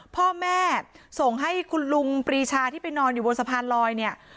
พ่อแม่ส่งให้คุณลุงปรีชาที่ไปนอนอยู่บนสะพานลอยเนี่ย